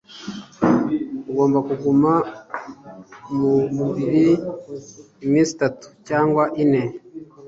Ugomba kuguma mu buriri iminsi itatu cyangwa ine